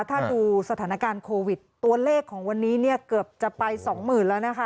ถ้าดูสถานการณ์โควิดตัวเลขของวันนี้เนี่ยเกือบจะไปสองหมื่นแล้วนะคะ